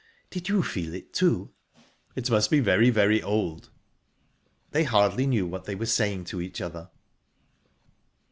"Did you feel it, too?" "It must be very, very old."...They hardly knew what they were saying to each other.